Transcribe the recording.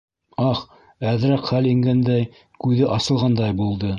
Ах, әҙерәк хәл ингәндәй, күҙе асылғандай булды.